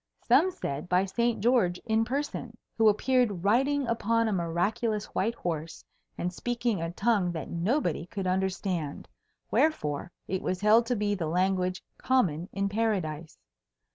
Some said by Saint George in person, who appeared riding upon a miraculous white horse and speaking a tongue that nobody could understand, wherefore it was held to be the language common in Paradise.